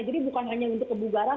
jadi bukan hanya untuk ibu ilmu waram